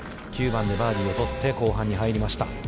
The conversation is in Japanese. ９番でバーディーを取って、後半に入りました。